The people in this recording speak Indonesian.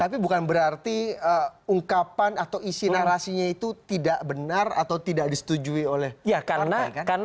tapi bukan berarti ungkapan atau isi narasinya itu tidak benar atau tidak disetujui oleh